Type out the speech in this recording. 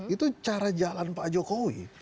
itu cara jalan pak jokowi